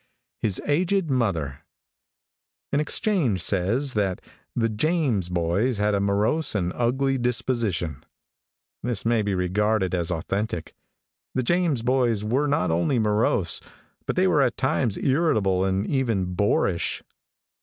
HIS AGED MOTHER. |AN exchange says that "the James boys had a morose and ugly disposition." This may be regarded as authentic. The James boys were not only morose, but they were at times irritable and even boorish.